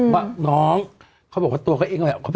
ว่าน้องเขาบอกว่าตัวเขาเอง